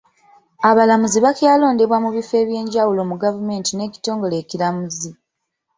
Abalamuzi bakyalondebwa mu bifo eby'enjawulo mu gavumenti n'ekitongole ekiramuzi.